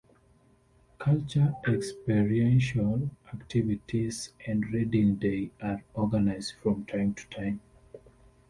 Culture experiential activities and reading day are organised from time to time.